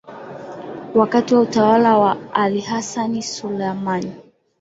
wakati wa utawala wa Al Hassan Sulaiman